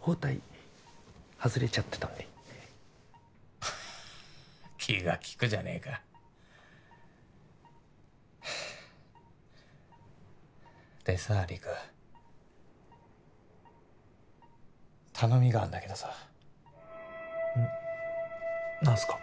包帯外れちゃってたんで気が利くじゃねえかでさあ陸頼みがあんだけどさうん何すか？